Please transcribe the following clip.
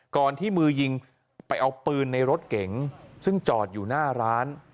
ที่มือยิงไปเอาปืนในรถเก๋งซึ่งจอดอยู่หน้าร้าน